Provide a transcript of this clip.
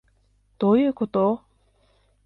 どういうこと？